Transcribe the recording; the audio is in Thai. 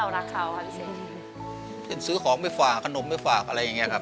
รักเขาค่ะเช่นซื้อของไปฝากขนมไปฝากอะไรอย่างเงี้ครับ